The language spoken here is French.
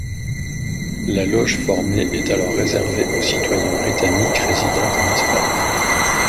La loge formée est alors réservée aux citoyens britanniques résidant en Espagne.